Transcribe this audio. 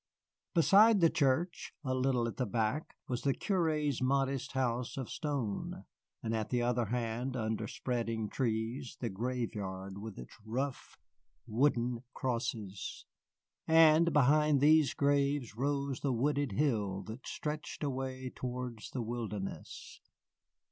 Beside the church, a little at the back, was the curé's modest house of stone, and at the other hand, under spreading trees, the graveyard with its rough wooden crosses. And behind these graves rose the wooded hill that stretched away towards the wilderness.